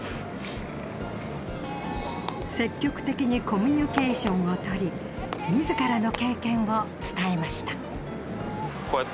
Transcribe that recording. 積極的にコミュニケーションを取り自らの経験を伝えました。